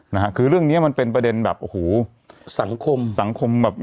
นะฮะคือเรื่องเนี้ยมันเป็นประเด็นแบบโอ้โหสังคมสังคมแบบ